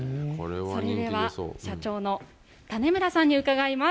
それでは、社長の種村さんに伺います。